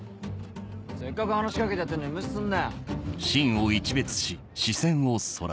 せっかく話しかけてやってるのに無視すんなよ。